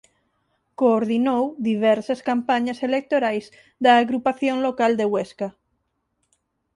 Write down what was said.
Coordinou diversas campañas electorais da Agrupación Local de Huesca.